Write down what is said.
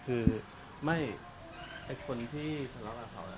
คือไม่ให้คนที่รับรับแผ่า